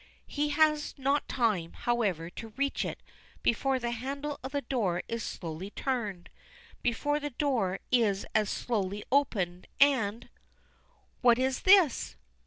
He has not time, however, to reach it before the handle of the door is slowly turned before the door is as slowly opened, and "What is this?"